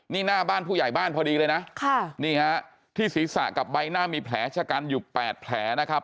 นี่หน้าบ้านผู้ใหญ่บ้านพอดีเลยนะค่ะนี่ฮะที่ศีรษะกับใบหน้ามีแผลชะกันอยู่๘แผลนะครับ